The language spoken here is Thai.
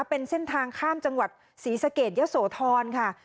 เป็นเส้นทางข้ามจังหวัดศรีสะเกดเยอะโสธรค่ะ